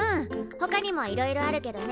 ほかにもいろいろあるけどね。